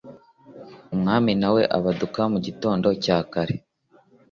umwami na we abaduka mu gitondo cya kare